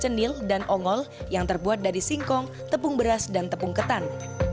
dan nil dan ongol yang terbuat dari singkong tepung beras dan tepung ketan